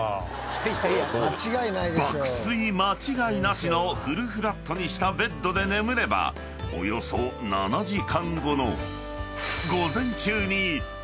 ［爆睡間違いなしのフルフラットにしたベッドで眠ればおよそ７時間後の］